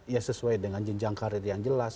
ya sesuai dengan jenjang karir yang jelas